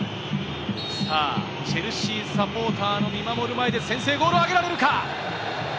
チェルシーサポーターの見守る前で先制ゴールを挙げられるか？